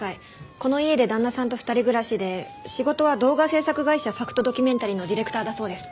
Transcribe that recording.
この家で旦那さんと２人暮らしで仕事は動画制作会社ファクトドキュメンタリーのディレクターだそうです。